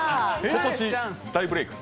今年大ブレイク。